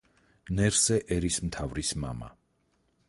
ნერსე ერისმთავრის მამა.